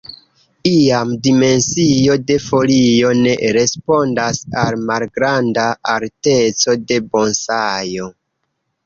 Iam dimensio de folio ne respondas al malgranda alteco de bonsajo.